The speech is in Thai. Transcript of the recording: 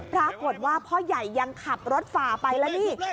ปรากฏว่าพ่อใหญ่ยังขับรถฝ่าไปแล้วนี่